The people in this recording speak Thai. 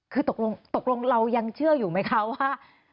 คือตกลงเรายังเชื่ออยู่ไหมคะว่า